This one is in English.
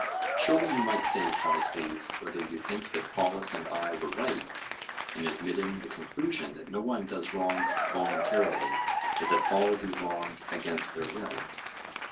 Surely you might say, Callicles, whether you think that Polus and I were right in admitting the conclusion that no one does wrong voluntarily, but that all do wrong against their will?